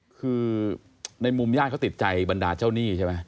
คือในมุมญาติเขาติดใจบรรดาเจ้าหนี้ใช่ไหม